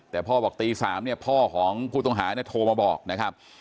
แต่พ่อบอกตี๓เนี่ยพ่อของครูตงหาโทรมาบอกนะครับ